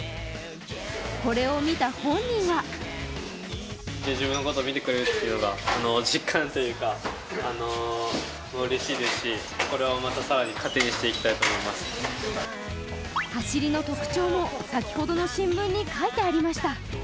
これを見た本人は走りの特徴も先ほどの新聞に書いてありました！